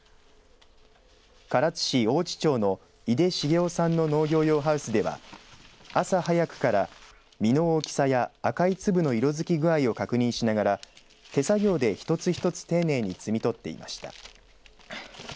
唐津市相知町の井手重夫さんの農業用ハウスでは朝早くから、実の大きさや赤い粒の色づき具合を確認しながら手作業で一つ一つ丁寧に摘み取っていました。